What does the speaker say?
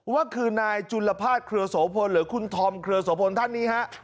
ว่าคือนายจุลภาษณเครือโสพลหรือคุณธอมเครือโสพลท่านนี้ฮะ